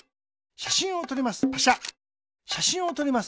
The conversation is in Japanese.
しゃしんをとります。